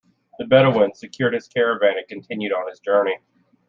The Bedouin secured his caravan and continued on his journey.